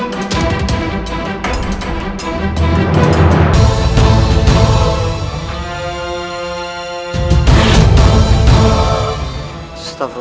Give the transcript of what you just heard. mungkin dia akan menjadi monster